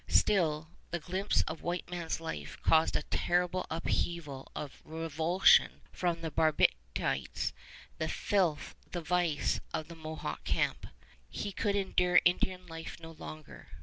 Still, the glimpse of white man's life caused a terrible upheaval of revulsion from the barbarities, the filth, the vice, of the Mohawk camp. He could endure Indian life no longer.